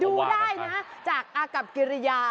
ดูได้นะจากอากับกิริยา